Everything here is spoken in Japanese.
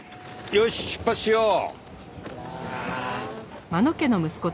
よし出発しよう。